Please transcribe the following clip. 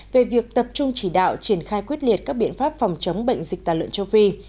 về việc tập trung chỉ đạo triển khai quyết liệt các biện pháp phòng chống bệnh dịch tàn lợn châu phi